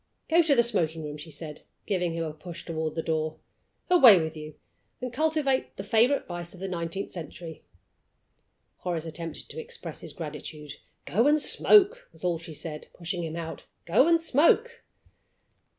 "Go to the smoking room," she said, giving him a push toward the door. "Away with you, and cultivate the favorite vice of the nineteenth century." Horace attempted to express his gratitude. "Go and smoke!" was all she said, pushing him out. "Go and smoke!"